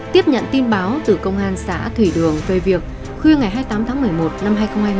tiếp nhận tin báo từ công an xã thủy đường về việc khuya ngày hai mươi tám tháng một mươi một năm hai nghìn hai mươi